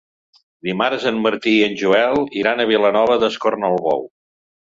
Dimarts en Martí i en Joel iran a Vilanova d'Escornalbou.